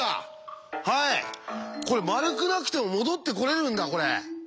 これ丸くなくても戻ってこれるんだこれ！